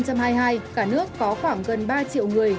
cả nước có khoảng gần ba triệu người